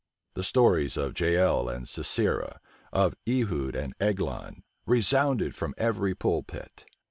The stories of Jael and Sisera, of Ehud and Eglon, resounded from every pulpit.